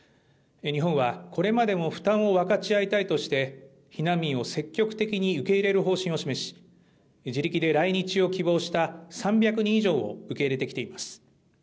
日本はこれまでも負担を分かち合いたいとして、避難民を積極的に受け入れる方針を示し、自力で来日を希望した３００人以上を受け入れてきています。